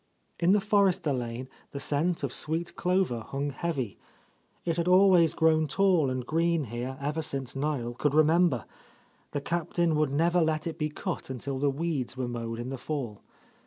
In the Forrester lane the scent of sweet clover hung heavy. It had always grown tall and green here ever since Niel could remember; the Cap tain would never let it be cut until the weeds were mowed In the fall.